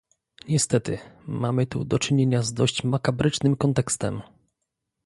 Niestety, mamy tu do czynienia z dość makabrycznym kontekstem